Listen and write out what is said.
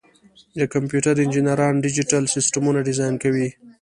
د کمپیوټر انجینران ډیجیټل سیسټمونه ډیزاین کوي.